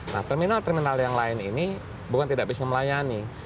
nah terminal terminal yang lain ini bukan tidak bisa melayani